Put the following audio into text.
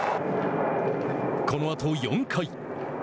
このあと４回。